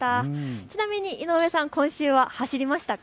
ちなみに井上さん、今週は走りましたか。